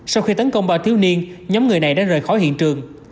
sau khi tấn công ba thiếu niên nhóm người này đã rời khỏi hiện trường